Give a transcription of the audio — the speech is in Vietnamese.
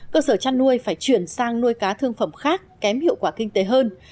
cơ sở chăn nuôi phải chuyển sang nuôi cá thương phẩm khác kém hiệu quả kinh tế hơn